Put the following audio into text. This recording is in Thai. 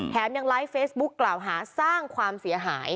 ยังไลฟ์เฟซบุ๊คกล่าวหาสร้างความเสียหาย